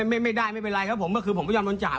นี่ค่ะไม่กลัวความผิดไม่กลัวถูกดำเนินคดีด้วยคุณผู้ชมค่ะ